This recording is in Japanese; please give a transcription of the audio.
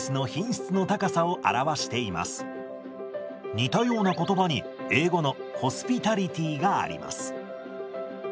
似たような言葉に英語の「ホスピタリティ」があります。